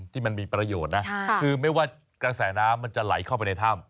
ที่มีประโยชน์นะคือไม่ว่ากระแสน้ำมันจะไหลเข้าไปในถ้ำ